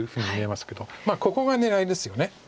ここが狙いですよね。